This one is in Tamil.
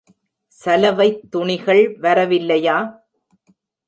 சலவைத் துணிகள்வரவில்லையா?